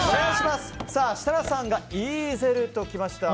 設楽さんがイーゼルときました。